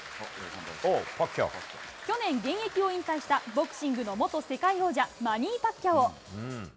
去年、現役を引退した、ボクシングの元世界王者、マニー・パッキャオ。